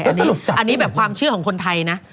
แล้วสรุปจับไม่หมดอันนี้แบบความเชื่อของคนไทยนะ